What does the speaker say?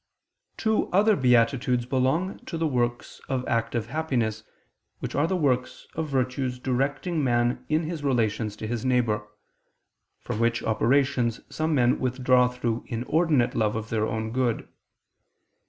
Two other beatitudes belong to the works of active happiness, which are the works of virtues directing man in his relations to his neighbor: from which operations some men withdraw through inordinate love of their own good.